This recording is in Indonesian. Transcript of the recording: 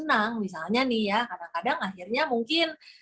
jadi lebih senang misalnya nih ya kadang kadang akhirnya mungkin